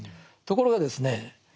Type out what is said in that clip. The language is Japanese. ところがですね